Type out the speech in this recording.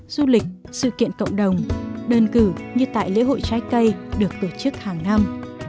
du lịch sự kiện cộng đồng đơn cử như tại lễ hội trái cây được tổ chức hàng năm